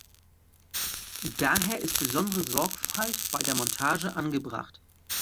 Daher ist besondere Sorgfalt bei der Montage angebracht.